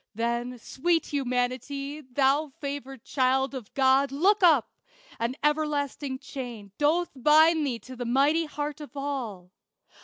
Then, sweet Humanity, thou favored child Of God, look up! An everlasting chain Doth bind thee to the mighty heart of all.